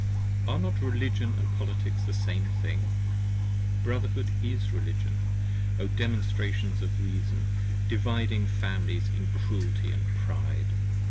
10 Are not Religion & Politics the Same Thing? Brotherhood is Religion, O Demonstrations of Reason, Dividing Families in Cruelty & Pride!